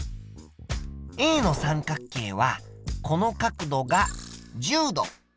Ａの三角形はこの角度が１０度。